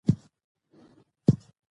د ولس ملاتړ تلپاتې نه وي